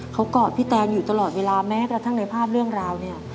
เขากอดพี่แตนอยู่ตลอดเวลาแม้กระทั่งในภาพเรื่องราวเนี่ย